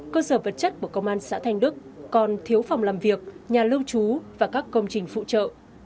cơ sở vật chất của công an xã thanh đức còn thiếu phòng làm việc nhà lưu trú và các công trình phụ trợ